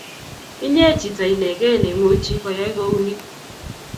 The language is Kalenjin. Inye chito inekey neimuch koyai kouni.